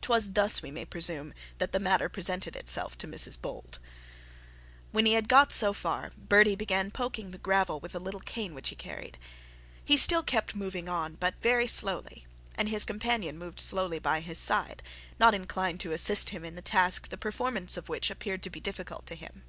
'Twas thus, we may presume, that the matter presented itself to Mrs Bold. When he had got so far, Bertie began poling in the gravel with a little cane which he carried. He still kept moving on, but very slowly, and his companion moved slowly by his side, not inclined to assist him in the task the performance of which appeared to be difficult to him.